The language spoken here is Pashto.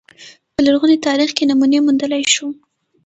په لرغوني تاریخ کې نمونې موندلای شو